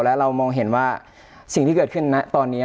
แล้วเรามองเห็นว่าสิ่งที่เกิดขึ้นนะตอนนี้